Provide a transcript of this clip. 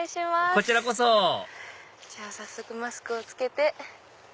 こちらこそじゃあ早速マスクを着けて。